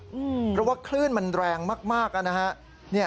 เพราะว่าคลื่นมันแรงมากนะฮะ